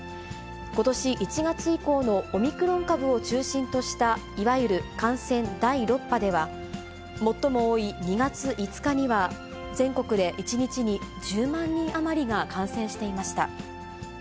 ことし１月以降のオミクロン株を中心とした、いわゆる感染第６波では、最も多い２月５日には、全国で１日に１０万人余りが感染していました。